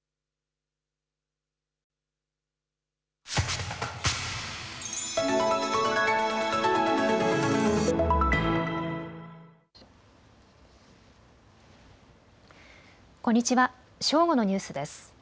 正午のニュースです。